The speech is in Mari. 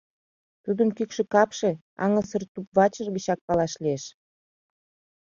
Тудым кӱкшӧ капше, аҥысыр туп-вачыже гычак палаш лиеш.